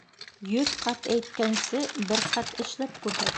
Йөҙ ҡат әйткәнсе, бер ҡат эшләп күрһәт.